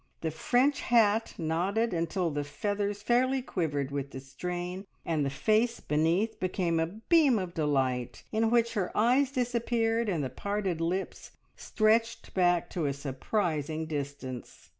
The French hat nodded until the feathers fairly quivered with the strain, and the face beneath became a beam of delight, in which eyes disappeared and the parted lips stretched back to a surprising distance.